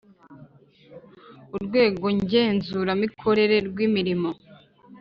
Urwego Ngenzuramikorere rw imirimo